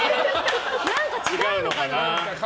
何か違うのかな？